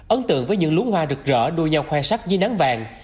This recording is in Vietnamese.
ấn tượng với những lú hoa rực rỡ đua nhau khoai sắc dưới nắng vàng